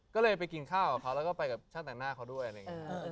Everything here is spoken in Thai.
ก็เลยไปกินข้าวกับเขาแล้วก็ไปกับช่างแต่งหน้าเขาด้วยอะไรอย่างนี้